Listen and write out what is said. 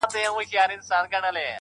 حیا له ایمانه ده